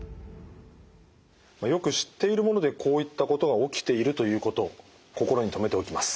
よく知っているものでこういったことが起きているということ心に留めておきます。